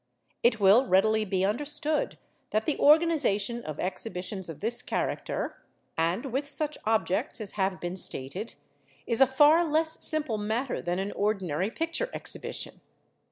It will readily be understood that the organisation of exhibitions of this character, and with such objects as have been stated, is a far less simple matter than an ordinary picture exhibition.